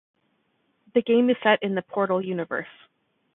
The game is set in the "Portal" universe.